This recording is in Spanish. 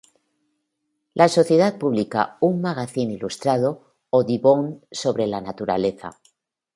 La sociedad pública un magazín ilustrado, "Audubon", sobre la naturaleza.